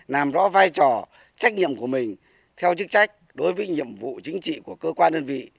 làm rõ vai trò trách nhiệm của mình theo chức trách đối với nhiệm vụ chính trị của cơ quan đơn vị